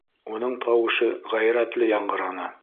— Уның тауышы ғәйрәтле яңғыраны.